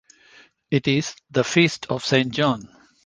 It is the Feast of Saint John.